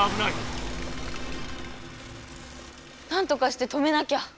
なんとかして止めなきゃ。